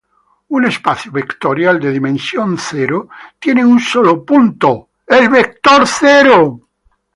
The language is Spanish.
Un espacio vectorial de dimensión cero tiene un solo punto, el vector cero.